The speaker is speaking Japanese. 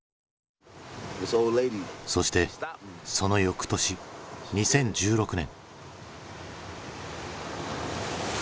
そしてそのよくとし２０１６年。